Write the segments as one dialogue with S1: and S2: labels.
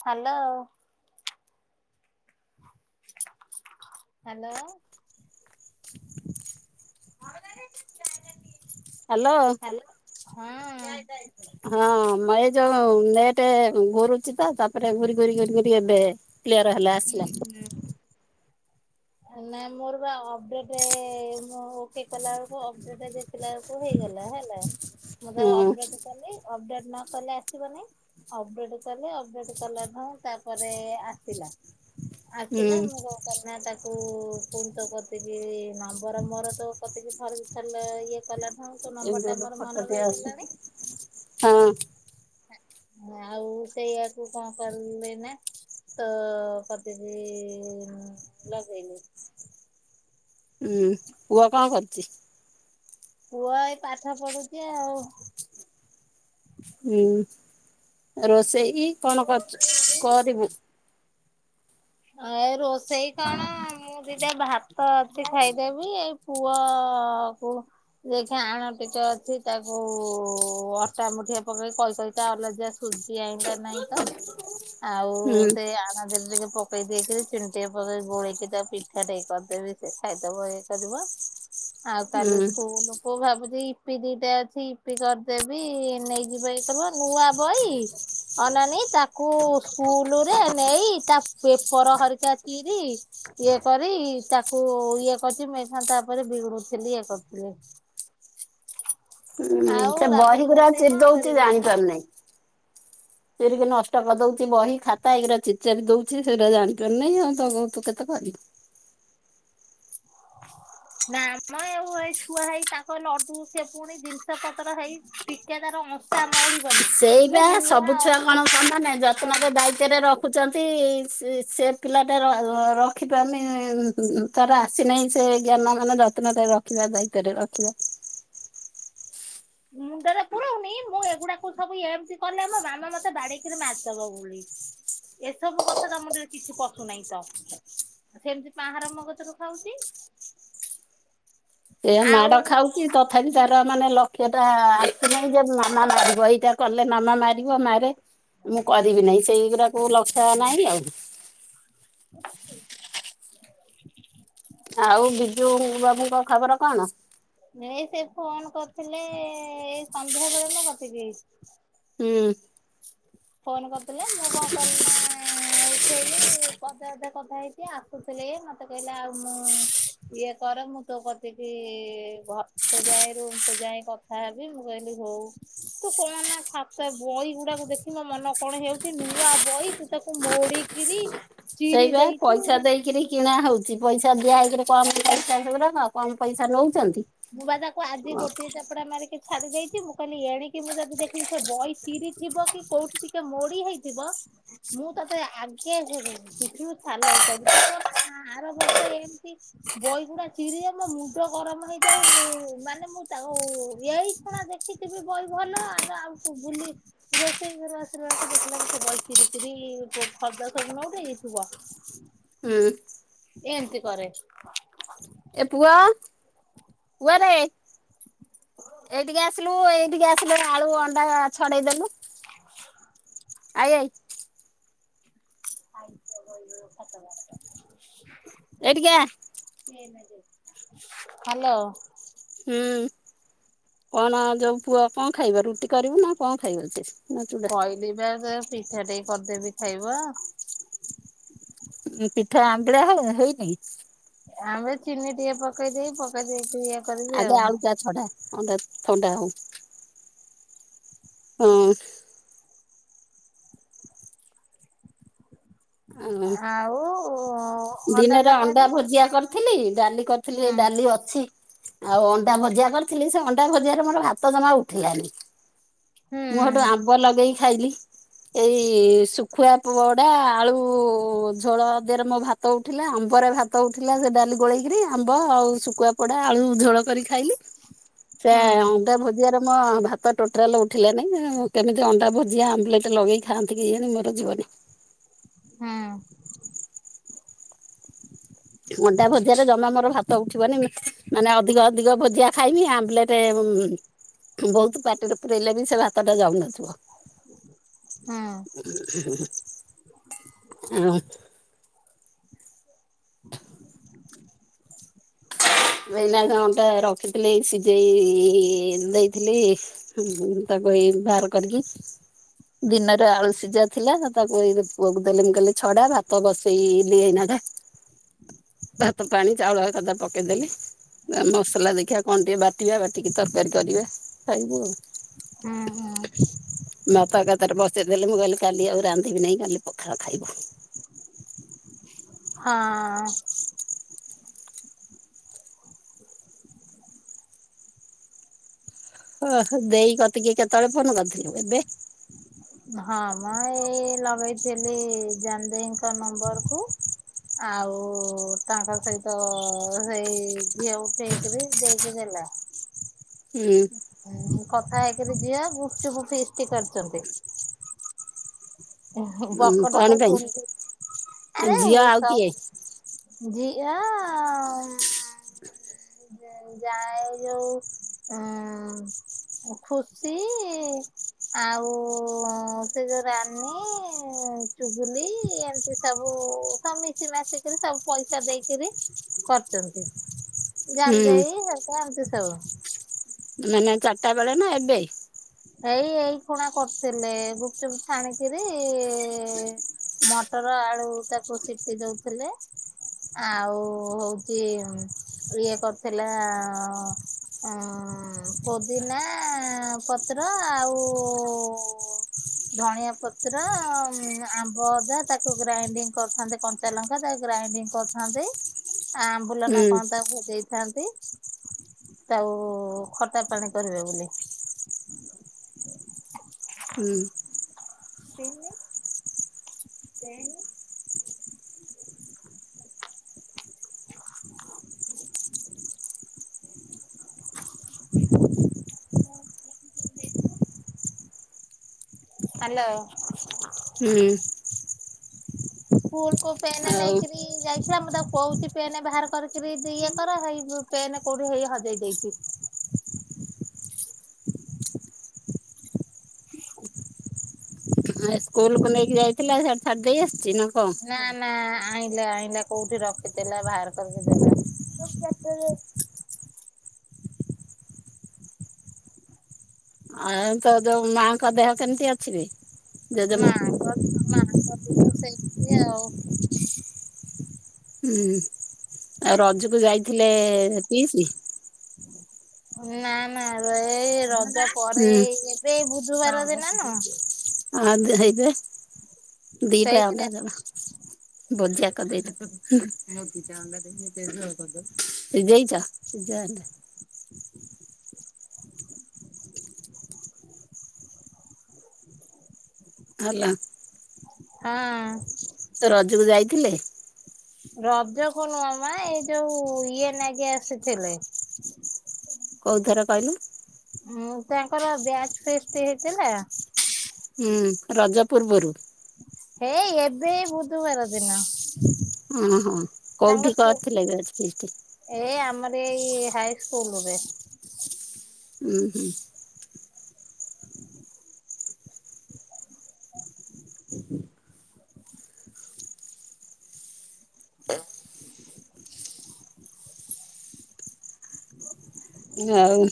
S1: Hello. Hello.
S2: Hello.
S1: Hello ହଁ।
S2: ହଁ ମ ଏ ଯୋଉଁ ନେଟ ଘୁରୁଛି ତ ତାପରେ ଘୁରି ଘୁରି ଘୁରି ଏବେ କ୍ଲିୟର ହେଲା ଆସିଲା।
S1: ନା ମୋର ବା ଅପଡେଟ ଓକେ କଲାବେଳକୁ ଅପଡେଟ ଥିଲା ବେଳକୁ ହୁଏ। ହେଲା ମୁଁ
S2: ହୁଁ
S1: ଅପଡେଟ କଲି ଅପଡ଼େଟ ନ କଲେ ଆସିବନି ଅପଡେଟ କଲେ ଅପଡେଟ କଲା ଭାଇ ତାପରେ ଆସିଲା।
S2: ହୁଁ
S1: ଆସିଲା ମୋର [unintelligible] ପୁଣି ତ କତିକି ନମ୍ବର ମୋର ତୋ କତିକି ଥରେ ଦିଥର ଇଏ କଲାଠୁ ତୋ
S2: ଏମିତି
S1: ନମ୍ବର ଟା
S2: ଗୋଟେ
S1: ମୋର ମନେ
S2: ଫଟୋ ଟେ
S1: ରହିଗଲାଣି।
S2: ଆସୁଚି ହଁ।
S1: ଆଉ ସେଇଆକୁ କଣ କଲି ନା ତ କତିକି ଲଗେଇଲି।
S2: ଉଁ ପୁଅ କଣ କରୁଚି?
S1: ପୁଅ ଏଇ ପାଠ ପଢୁଛି ଆଉ।
S2: ହୁଁ ରୋଷେଇ କଣ କରଛ କରିବୁ?
S1: ଏ ରୋଷେଇ କଣ ମୁଁ ଦିଟା ଭା ତ ଅଛି ଖାଇଦେବି ଏଇ ପୁଅକୁ ଦେଖି ଆଣ ଟିକେ ଅଛି ତା ହଉ ଅଟା ମୁଠିଏ ପକେଇ କହି କହି ତ ଅଲଜ୍ୟା ସୁଜି ଆଇଁଲା ନାହିଁ ତ।
S2: ହ
S1: ଆଉ ସେ ଆଣ ଯେଦି ଟିକେ ପକେଇ ଦେଇକରି ଚିନି ଟିକେ ପକେଇ ଗୋଳେଇକି ତାକୁ, ପିଠା ଟାଏ କରିଦେବି ସେ ଖାଇଦବ ଇଏ କରିବ। ଆଉ କାଲି
S2: ହୁଁ
S1: ସ୍କୁଲକୁୁ ଭାବୁଛି, ଇପି ଦିଟା ଅଛି ଇପି କରିଦେବି ନେଇଯିବ ହେଇଥିବ ନୂଆ ବହି ଅନାନୀ ତାକୁ ସ୍କୁଲରେ ନେଇ ତା ପେପର ହରିକା ଚିରି ଇଏ କରି ତାକୁ ଇଏ କରିଛି ମୁ ଏଇଖିନା ତାପରେ ବିଗୁଡୁଥିଲି ଇଏ କରୁଥିଲି।
S2: ହୁଁ।
S1: ଆଉ
S2: ସେ ବହି
S1: ରାତିକି
S2: ଗୁରା
S1: ରୋଷେଇ
S2: ଚିରି
S1: କଣ
S2: ଦଉଚି
S1: କରିବୁ
S2: ଜାଣିପାରୁନେଇ। ଚିରିକି ନଷ୍ଟ କରି ଦଉଛି ବହି ଖାତା ଏଗୁରା ଚିରି ଚାରି ଦଉଛି, ସେଟା ଜାଣିପାରୁନେଇ ଆଉ ତାକୁ ତୁ କେତେ କରିବୁ।
S1: ନା ଆମ ଆଉ ଏଇ ଛୁଆ ହେଇ ତାଙ୍କ ଲଡୁ ସେ ପୁଣି ଜିନିଷ ପତ୍ର ହେଇ ଟିକେ ତାର ଅଂସା
S2: ସେଇଟା ସବୁ ଛୁଆ କଣ
S1: ବହି
S2: ସମାନେ
S1: ହଁ
S2: ଯତ୍ନରେ ଦାୟିତ୍ୱରେ ର ରଖୁଛନ୍ତି ସେ - ସେ ପିଲାଟା ରଖିପାରୁନି ତାର ଆସିନାହିଁ ସେ ଜ୍ଞାନ ମାନେ ଯତ୍ନରେ ରଖିବା ଦାୟିତ୍ଵରେ ରଖିବା।
S1: ହୁଁ। ମୁଣ୍ଡରେ ପୁରଉନି ମୁଁ ଏଗୁଡାକୁ ସବୁ ଏମିତି କଲେ, ମୋ ମାମା ମତେ ବାଡେଇିକିରି ମାରିଦବ ବୋଲି। ଏସବୁ କଥା ତା ମୁଣ୍ଡରେ କିଛି ପଶୁନେଇ ତ। ସେମିତି ପାହାର ମୋ କତିରୁ ଖାଉଛି।
S2: ଏଇଆ
S1: ଆଉ
S2: ମାଡ ଖାଉଛି ତଥାପି ତାର ମାନେ ଲକ୍ଷ୍ୟ ଟା ଆସିନାହିଁ ଯେ ମାମା ମାରିବ, ଏଇଟା କଲେ ମାମା ମାରିବ ମାରେ ମୁଁ କରିବି ନେଇ, ସେଇଗୁଡାକୁ ଲକ୍ଷ ନାଇଁ ଆଉ। ଆଉ ବିଜୁ ବାବୁଙ୍କ ଖବର କଣ?
S1: ଏଇ ସେ ଫୋନ କରିଥିଲେ ଏଇ ସନ୍ଧ୍ୟା ବେଳେ ମୋ କତିକି।
S2: ହୁଁ।
S1: ଫୋନ କରିଥିଲେ ମୁଁ କଣ କଲିି ନା ଉଠେଇଲିି, ଅଧେ ଅଧେ କଥା ହେଇଛି ଆସୁଥିଲେ [unintelligible] ମତେ କହିଲେ ଆଉ ମୁଁ ଇଏ କର ମୁଁ ତୋ କତିକି ଘରକୁ ଯାଇ ରୁମକୁୁ ଯାଇ କଥା ହେବି ମୁଁ କହିଲି ହଉ ତୁ କହନା ଖାତା ବହିକୁ ଟାକୁ ଦେଖି ମୋ ମନ କଣ ହେଇ ଯାଉଛି, ନୂଆ ବହି ତୁ ତାକୁ ମୋଡିକିରି ଚିରି
S2: ସେଇବା
S1: ଦେଇଛୁ
S2: ପଇସା ଦେଇକିରି କିଣା ହଉଛି। ପଇସା ଦିଆ ହେଇକରି କମ ପଇସା ସେଗୁରାକ, କମ ପଇସା ନଉ
S1: ମୁଁ ବା ତାକୁ ଆଜି ଗୋଟିଏ ଚାପୁଡ଼ା ମାରିକି ଛାଡି ଦେଇଛି ମୁଁ କହିଲି ଏଣିକି ମୁଁ ଯଦି ଦେଖିଲି, ସେ ବହି ଚିରି ଥିବ କି କୋଉଠି ଟିକେ ମୋଡି ହେଇଥିବ ମୁଁ ତତେ ଆଗେ ପିଠିରୁ ଛାଲ ଉତାରିବି, ତୁ କଣ ଆର ବର୍ଷ ଏମିତି ବହିଗୁଡା ଚିରି ଗଲେ ମୁଣ୍ଡ ଗରମ ହେଇଯାଏ। ମୁଁ ମାନେ ମୁଁ ତାକୁ ଏଇ ଖିଣା ଦେଖିଥିବି ବହି ଭଲ ଆ ଆଉ ବୁଲି ରୋଷେଇ ଘରୁ ଆସିଲା ବେଳକୁ ଦେଖିଲା ବେଳକୁ ସେ ବହି ଚିରି କିିରିି ଫର୍ଦ୍ଦ ସବୁ ନଉଟେ ଦେଇଥିବ।
S2: ହୁଁ।
S1: ଏମତି କରେ।
S2: ଏ ପୁଅ ପୁଅ ରେ ଏଇଠିକି ଆସିଲୁ ଏଇଠିକି ଆସିଲୁ ଆଳୁ ଅଣ୍ଡା ଛଡେଇଦେଲୁ। I I. ଏଇଠିକି ଆ
S1: [inaudible] ହ୍ୟାଲୋ!
S2: ହୁଁ, କଣ ଯୋଉ ପୁଅ କଣ ଖାଇବ? ରୁଟି କରିବୁ ନା କଣ ଖାଇବ ସେ? ନା ଚୁଡା
S1: କହିଲି ବା ସେ ପିଠା ଟେଇ କରିଦେବି ଖାଇବ।
S2: ପିଠା ଆମ୍ବିଳା ହଉ ହେଇ ନି?
S1: ଆମେ ଚିନି ଟିକେ ପକେଇ ଦେଇ ପକେଇ ଦେଇ
S2: ଆଗେ ଆଳୁଟା ଛଡା ଅଣ୍ଡା ଥଣ୍ଡା ହଉ। ହଁ।
S1: ଆଉ
S2: ଦିନରେ ଅଣ୍ଡା ଭୋଜିଆ କରିଥିଲି, ଡାଲି କରିଥିଲି,
S1: ହୁଁ
S2: ଏ ଡାଲି ଅଛି। ଆଉ ଅଣ୍ଡା ଭଜିଆ କରିଥିଲି, ସେ ଅଣ୍ଡା ଭଜିଆରେ ମୋର ଭାତ ଜମା ଉଠିଲାନି।
S1: ହୁଁ
S2: ମୁଁ ହେଠୁ ଆମ୍ବ ଲଗେଇି ଖାଇଲି। ଏଇ-ଇ ଶୁ ଖୁଆ ପୁଡା ଆଳୁ ଝୋଳ ଦେହରେ ମୋ ଭାତ ଭାତ ଉଠିଲା, ଆମ୍ବରେ ଭାତ ଉଠିଲା, ସେ ଡାଲି ଗୋଳେଇକିରି ଆମ୍ବ ଆଉ ଶୁଖୁଆ ପଡା ଆଳୁ ଝୋଳ କରି ଖାଇଲି। ସେ
S1: ହୁଁ
S2: ଅଣ୍ଡା ଭଜିଆ ର ହଁ, ଭାତ ଟୋଟାଲ ଉଠିଲାନି, କେମିତି ଅଣ୍ଡା ଭୋଜିଆ ଆମ୍ବଲେଟ୍ ଲଗେଇ ଖାଆନ୍ତି କି ଜାଣି! ମୋର ଯିବନି।
S1: ହୁଁ।
S2: ଅଣ୍ଡା ଭଜିଆ ରେ ଜମା ମୋର ଭାତ ଉଠିବନି। ମାନେ ଅଧିକ ଅଧିକ ଭଜିଆ ଖାଇମି ଆମ୍ବଲେଟେ ହୁଁ ହୁଁ ବହୁତ ପାଟିରେ ପୁରେଇଲେ ବି ସେ ଭାତଟା ଯାଉନଥିବ।
S1: ହୁଁ
S2: [inaudible] ଆଁ ହ। ଭେନାକେ ଅଣ୍ଟା ରଖିଥିଲି, ସିଝେଇ-ଇ-ଇ-ଇ-ଇ-ଇ ଦେଇଥିଲି-ଇ। ଉଁ ତା ତାକୁ ଏଇ ବାହାର କରିକି ଦିନରେ ଆଳୁ ସିଝା ଥିଲା। ତାକୁ ଏଇ ପୁଅକୁ ଦେଲି, ମୁଁ କହିଲି ଛଡା, ଭାତ ବସେଇ-ଇ-ଲିି ଏଇନାହ
S1: ହଁ
S2: ଭାତ ପାଣି ଚାଉଳ ଏକଦା ପକ୍ କେଦେଲି। ମସଲା ଦେଖିବା କଣ ଟିକେ ବାଟିବା ବାଟିକି ତରକାରୀ କରିବା, ଖାଇବୁ ଆଉ।
S1: ହୁଁ ହୁଁ।
S2: ତା କତାରେ ବସେଇଦେଲି। ମୁଁ କହିଲି କାଲି ଆଉ ରାନ୍ଧିବି ନାହିଁ। କାଲି ପଖାଳ ଖାଇବୁ।
S1: ହଁ-ଅ-ଅ
S2: ଓହଃ! ଦେଇ କତିକି କେତେବେଳେ ଫୋନ କରିଥିଲୁ? ଏବେ।
S1: ହଁ ମ ଏଇ ଲଗେଇଥିଲି, ଜାନଦେଇଙ୍କ ନମ୍ବର କୁ। ଆଉ ତାଙ୍କ ସହିତ ସେଇ ଝିଅ ଉଠେଇକିରି ଦେଇକି ଦେଲା। ହ
S2: ହୁଁ
S1: ହୁଁ, କଥା ହେଇକିରି ଯିଆ ଗୁପଚୁପୁ ଫିଷ୍ଟ କରିଚନ୍ତି। ହୁଁ
S2: କଣ
S1: ବକଟକ
S2: ପାଇଁ
S1: ପୁଣି ସ
S2: ଝିଅ
S1: ଆରେଁ
S2: ଆଉ କିଏ
S1: ସବ ଯି ଆ-ଆଁ ମ୍ ଯାଏ ଯୋଉ ଉଁ ଖୁସି-ଇ ଆଉଁ ସେ ଯୋଉ ରାନୀ-ଇଁ ଚୁଗୁଲି ଏମିତି ସବୁ ସ ମିଶି ମାଶିକରି ସବୁ ପଇସା ଦେଇକିରି କରୁଚନ୍ତି। ଜାନ୍
S2: ହୁଁ
S1: ଦେଇ ହେରିକା ଏମିତି ସବୁ
S2: ମାନେ ଚାରିଟା ବେଳେ ନା ଏବେ?
S1: ଏଇ ଏଇ ଖୁଣା କରୁଥିଲେ ଗୁପ୍ ଚୁପ୍ ଛାଣିକିରି-ଇ-ଇ ମଟର ଆଳୁ ତାକୁ ସିଟି ଦଉଥିଲେ। ଆଉଁ ହଉଚି ଇଏ କରିଥିଲା-ଆ-ଆ-ଆ ଅଁ ପୋଦିନାଁ ପତ୍ର ଆଉ-ଉ-ଉ-ଉ
S2: ହଁ
S1: ଧଣିଆ ପତ୍ର ଉ ଆମ୍ବଅଦା ତାକୁ ଗ୍ରାଇଣ୍ଡିଙ୍ଗ କରିଥାନ୍ତେ କଞ୍ଚା ଲଙ୍କା ତାକୁ ଗ୍ରାଇ ଙ୍ଗ କରିଥାନ୍ତି ଆ ଆମ୍ବୁଲ
S2: ହୁଁ
S1: କଣ ତାକୁ ଦେଇଥାନ୍ତି ତାଉ ଖଟା ପାଣି କରିବେ ବୋଲି
S2: ହୁଁ
S1: [inaudible] [inaudible] [inaudible] [inaudible] ହାଲୋ।
S2: ହୁଁ।
S1: ସ୍ଲ କୁ ପେନା
S2: ଆଉ
S1: ନାଇକରି ଯାଇ ସୋ ମୁଁ ତାକୁ କହୁଚି ପେନ୍ ବାହାର କରିକରି ଇଏ କରଇ ପେନ୍ କୋଉଠି ହେଇ ହଜେଇ ଦେଇଚି। [inaudible] [inaudible]
S2: ସ୍କୁଲକୁୁ ନେଇକି ଯାଇଥିଲା ସେଠ ଛାଡି ଦେଇ ଆସିୁଚି ନା କଣ?
S1: ନା ନା ଆଣିଲେ ଆଣିଲେ କୋଉଠି ରଖିଥିଲା ବାହାର କରିକି ଦେଲା। [unintelligible] [inaudible]
S2: ଆଉ ତ ଯୋଉ ମାଙ୍କ ଦେହ କେମିତି ଅଛି ରେ ଜଜେମା?
S1: ଛି ଆଉ।
S2: ହୁଁ ଆଉ ରଜକୁ ଯାଇଥିଲେ ପିଶି?
S1: ନା ନା ର ଏ ର ତା ପରେ
S2: ହୁଁ
S1: ଏବେ ବୁଧବାର ଦିନ ନୁହ?
S2: ଆ ହେଇବେ ଦିଟା ଅଣ୍ଡା
S1: ସେଇଥିରେ
S2: ଜଣ। ଭଜା କରି ଦେଇେଚି। ସିଯେଇଛ? ସିଯା ଅଣ୍ଡା।
S1: [inaudible]
S2: ହାଲୋ।
S1: ହଁ।
S2: ତ ରଜକୁ ଯାଇଥିଲେ?
S1: ରଜକୁ ନୁହ ମ ଏଇ ଯୋଉ ଇଏ ନାଗି ଆସିଥିଲେ।
S2: କୋଉଥର କହିଲୁ?
S1: ଉଁ ତାଙ୍କର ବ୍ୟାଜ ଫେଷ୍ଟ ହେଇଥିଲା।
S2: ହୁଁ ରଜ ପୂର୍ବରୁ?
S1: ହେଇ ଏବେ ଏଇ ବୁଧବାର ଦିନ।
S2: ଓହୋ
S1: ତାଙ୍କ
S2: କୋଉଠି
S1: ସ୍କୁ
S2: କରିଥିଲେ ବେଚ ଫିଷ୍ଟ?
S1: ଏ ଆମର ଏଇ ହାଇ ସ୍କୁଲରେ।
S2: ଉଁ ହୁଁ।
S1: [inaudible]
S2: [inaudible] ଆଉ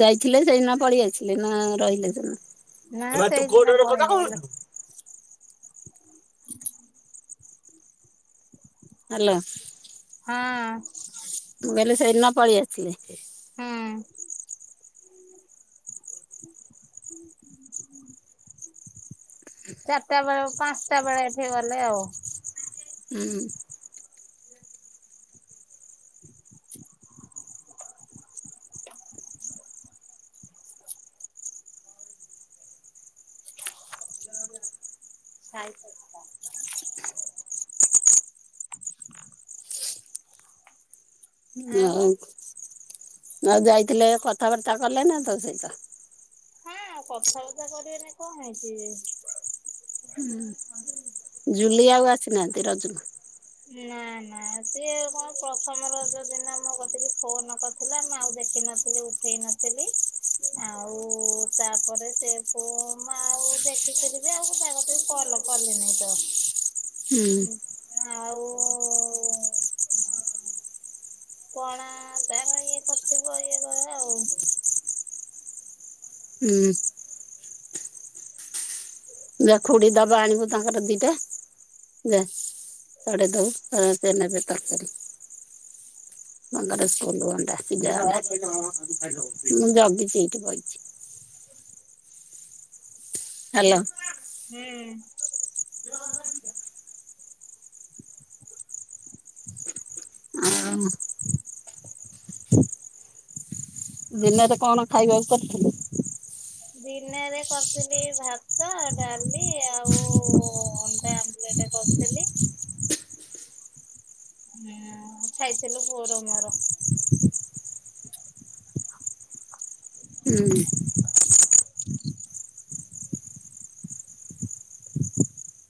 S2: ଯାଇଥିଲେ ସେଇଦିନ ପଳେଇ ଆସିଲେ ନା ରହିଲେ ସେ
S1: ନା
S2: ଏରା ତୁ
S1: ସେଇଦିନ
S2: କୋଟର ଲୋକ
S1: ପଳେଇ
S2: ଟା
S1: ଆଇଲେ
S2: କହୁଚୁ?
S1: [inaudible]
S2: ହାଲୋ।
S1: ହଁ।
S2: ବୋଇଲେ ସେଇ ଦିନ ପଳେଇ ଆସିଲେ?
S1: ହୁଁ। [inaudible] ଚାରିଟା ବେଳେ ପାଞ୍ଚଟା ବେଳେ ଏଠି ଗଲେ ଆଉ।
S2: ହୁଁ
S1: [inaudible] [inaudible] ସାଇକଲ୍ କ
S2: ଆଉ ଆଉ ଯାଇଥିଲେ କଥାବାର୍ତ୍ତା କଲେ ନା ତୋ ସହିତ?
S1: ହଁ କଥାବାର୍ତ୍ତା କରିବେନି କଣ ହେଇଚି କି।
S2: ହୁଁ ଜୁଲି ଆଉ ଆସିନାହାନ୍ତି ରଜକୁ?
S1: ନା ନା ସିଏ କଣ ପ୍ରଥମ ରଜଦିନ ମୋ ପାଖକୁ ଫୋନ କରିଥିଲା ମୁଁ ଆଉ ଦେ ଦେଖି ନଥିଲି ଉଠେଇ ନଥିଲି। ଆଉ ତାପରେ ସେ ଫୋ ମ ଆଉ ଦେଖିଥିଲି ଯେ ଆଉ ମୁଁ ତା କତିକି କଲ୍ ଲ କଲିନି ତ।
S2: ହୁଁ।
S1: ଆଉ କଣା ତାର ଇଏ କରିଥିବ ଇଏ କର ଆଉ।
S2: ହୁଁ। ଯା ଖୁଡି ଦବ ଆଣିବୁ ତାଙ୍କର ଦିଟା। ଯା କାଢିଦେବୁ ସେ ନେବେ ତରକାରୀ। ତାଙ୍କର ସ୍କୁଲ ଅଣ୍ଡା ସିଜା ଅଣ୍ଡା ମୁଁ ଜଗିଚି ଏଇଠି ବଇଚି। ହାଲୋ।
S1: ହୁଁ।
S2: [unintelligible] ଦିନରେ କଣ ଖାଇବାକୁ କରିଥିଲୁ?
S1: ଦିନରେ କରିଥିଲି ଭାତ ଡାଲି ଆଉ ଅଣ୍ଡା ଆମ୍ଲେଟ କରିଥିଲି। ହୁଁ ଖାଇଥିଲୁ ପୁଅର ମୋର।
S2: ହୁଁ।